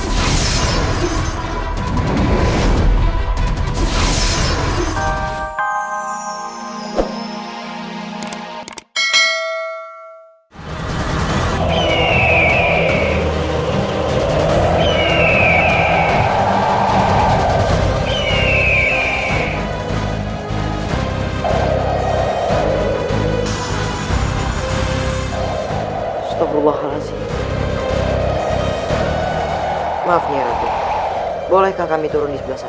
setelah halasi maafnya bolehkah kami turun di sebelah sana